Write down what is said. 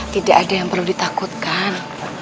tidak ada yang perlu ditakutkan